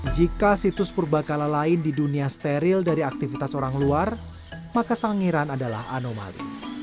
jika situs purba kala lain di dunia steril dari aktivitas orang luar maka sangiran adalah anomali